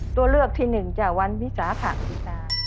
ตัวเลือกที่๑วันวิสาขบูชา